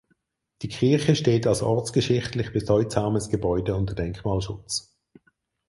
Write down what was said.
Die Kirche steht als ortsgeschichtlich bedeutsames Gebäude unter Denkmalschutz.